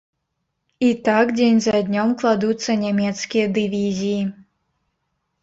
І так дзень за днём кладуцца нямецкія дывізіі.